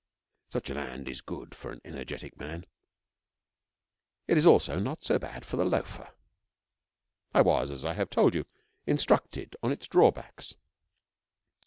Such a land is good for an energetic man. It is also not so bad for the loafer. I was, as I have told you, instructed on its, drawbacks.